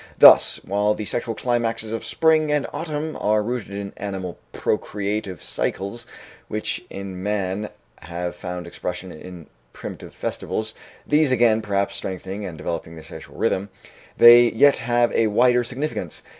Thus, while the sexual climaxes of spring and autumn are rooted in animal procreative cycles which in man have found expression in primitive festivals these, again, perhaps, strengthening and developing the sexual rhythm they yet have a wider significance.